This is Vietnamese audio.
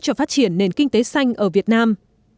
cho phát triển nền kinh tế xanh ở việt nam